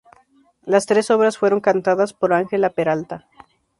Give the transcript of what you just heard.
Las tres obras fueron cantadas por Ángela Peralta.